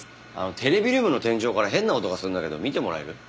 テレビルームの天井から変な音がするんだけど見てもらえる？